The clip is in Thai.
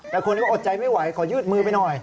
แต่คนก็อดใจไม่ไหวขอยืดมือไปหน่อย